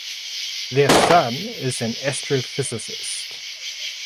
Their son is an astrophysicist.